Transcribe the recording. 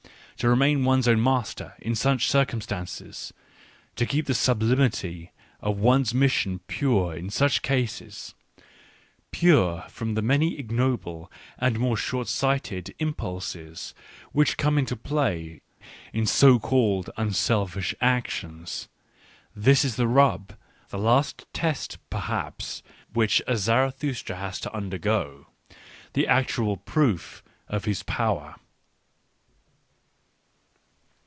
To remain one's own master in such circumstances, to keep the sublimity of one's mission pure in such cases, — pure from the many ignoble and more Short sighted im pulses which come into play in so called unselfish actions, — this is the rub, the last test perhaps which a Zarathustra has to undergo — the actual proof of his power.